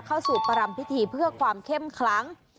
เข้าสู่ประรำพิธีเพื่อความเข้มคลั้ง